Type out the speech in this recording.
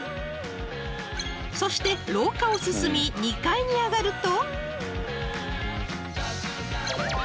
［そして廊下を進み２階に上がると］